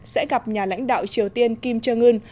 sẽ gặp nhà lãnh đạo triều tiên kim jong un